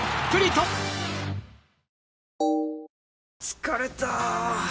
疲れた！